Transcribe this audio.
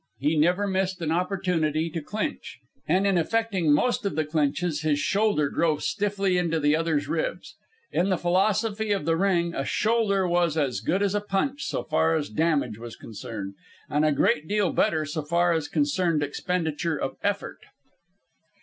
He never missed an opportunity to clinch, and in effecting most of the clinches his shoulder drove stiffly into the other's ribs. In the philosophy of the ring a shoulder was as good as a punch so far as damage was concerned, and a great deal better so far as concerned expenditure of effort.